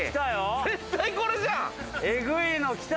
絶対これじゃん！